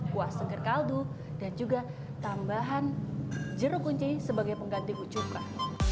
kuah seger kaldu dan juga tambahan jeruk kunci sebagai pengganti pucukra